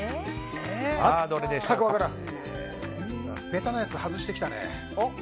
ベタなやつ外してきたね。